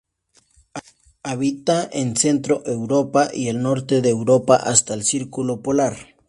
Habita en Centro Europa y el norte de Europa hasta el Círculo polar.